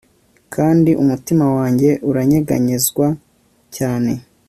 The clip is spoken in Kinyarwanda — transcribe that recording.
Kandi umutima wanjye uranyeganyezwa cyane